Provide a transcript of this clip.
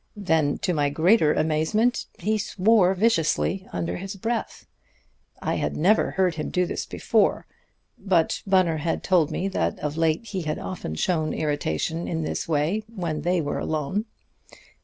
Then, to my greater amazement, he swore viciously under his breath. I had never heard him do this before; but Bunner had told me that of late he had often shown irritation in this way when they were alone.